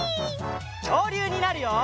きょうりゅうになるよ！